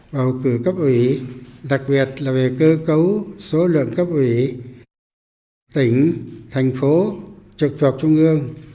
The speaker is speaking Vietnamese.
bầu cử cấp ủy đặc biệt là về cơ cấu số lượng cấp ủy tỉnh thành phố trực thuộc trung ương